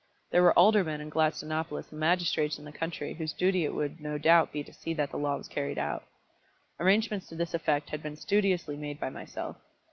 There were aldermen in Gladstonopolis and magistrates in the country whose duty it would no doubt be to see that the law was carried out. Arrangements to this effect had been studiously made by myself.